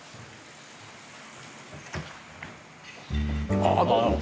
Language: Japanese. ああどうも。